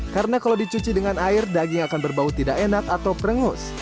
karena kalau dicuci dengan air daging akan berbau tidak enak atau krengus